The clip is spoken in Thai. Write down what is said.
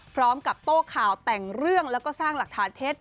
พร้อมกับโต้ข่าวแต่งเรื่องแล้วก็สร้างหลักฐานเท็จ